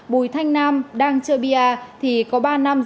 bùi thanh nam đang chơi bia thì có ba năm